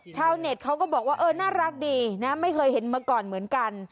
เน็ตเขาก็บอกว่าเออน่ารักดีนะไม่เคยเห็นมาก่อนเหมือนกัน